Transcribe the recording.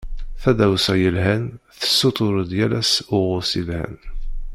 Tadawsa yelhan tessutur-d yal ass uɣus yelhan.